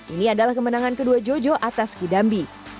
ini adalah kemenangan kedua jojo atas kidambi